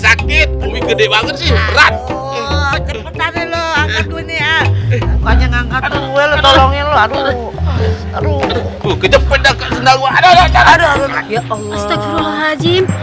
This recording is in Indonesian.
sakit badan abah sakit gede banget sih